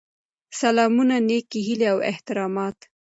سلامونه نیکې هیلې او احترامات.